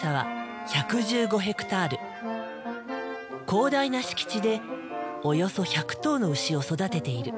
広大な敷地でおよそ１００頭の牛を育てている。